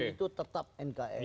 harga mati itu tetap nkri